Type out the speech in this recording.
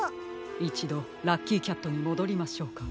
いちどラッキーキャットにもどりましょうか。